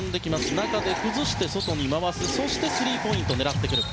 中で崩して外に展開してそしてスリーポイントを狙ってくる。